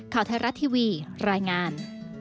ข่าวไทยรัฐทีวีรายงาน